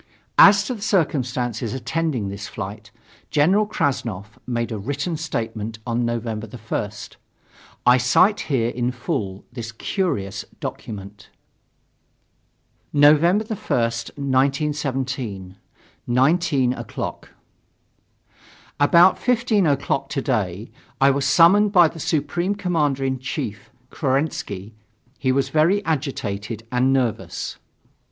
As to the circumstances attending this flight, General Krassnov made a written statement on November 1st. I cite here in full this curious document. November 1st, 1917, 19 o'clock. About 15 o'clock today, I was summoned by the Supreme Commander in Chief, Kerensky. He was very agitated and nervous.